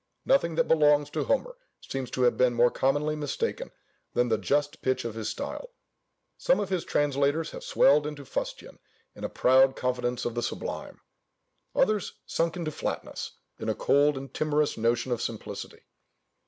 Nothing that belongs to Homer seems to have been more commonly mistaken than the just pitch of his style: some of his translators having swelled into fustian in a proud confidence of the sublime; others sunk into flatness, in a cold and timorous notion of simplicity.